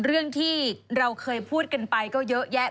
เรื่องที่เราเคยพูดกันไปก็เยอะแยะ